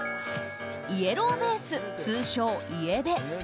イエローベース、通称イエベ。